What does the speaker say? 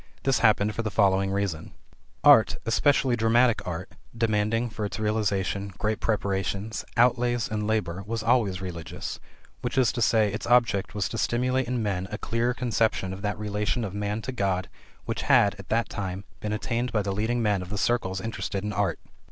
This happened for the following reason: Art, especially dramatic art, demanding for its realization great preparations, outlays, and labor, was always religious, i.e., its object was to stimulate in men a clearer conception of that relation of man to God which had, at that time, been attained by the leading men of the circles interested in art.